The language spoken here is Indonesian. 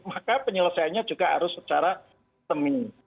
maka penyelesaiannya juga harus secara sistemik